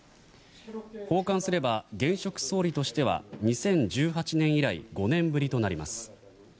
訪韓すれば現職総理としては２０１８年以来５年ぶりとなります。